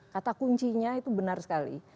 kata kuncinya itu benar sekali